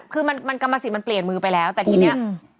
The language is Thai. คือมันกรรมสิทธิมันเปลี่ยนมือไปแล้วแต่ทีนี้